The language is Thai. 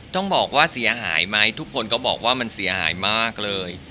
ต้องบอกว่าเสียหายไหมทุกคนก็บอกว่ามันเสียหายมากเลย